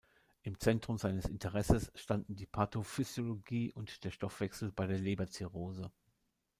Im Zentrum seines Interesses standen die Pathophysiologie und der Stoffwechsel bei der Leberzirrhose.